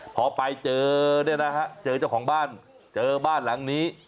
พอไปเจอเนี่ยนะฮะเจอเจ้าของบ้านเจอบ้านหลังนี้